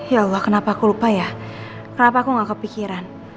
ya allah kenapa aku lupa ya kenapa aku gak kepikiran